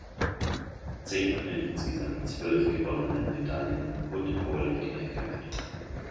Zehn von den insgesamt zwölf gewonnenen Medaillen wurden im Powerlifting erkämpft.